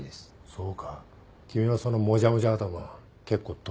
そうか君のそのもじゃもじゃ頭は結構特徴的だが。